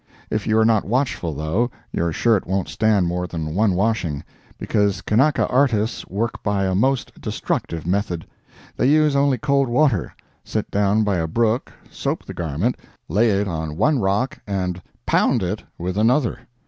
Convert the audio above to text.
If you are not watchful, though, your shirt won't stand more than one washing, because Kanaka artists work by a most destructive method. They use only cold water—sit down by a brook, soap the garment, lay it on one rock and "pound" it with another.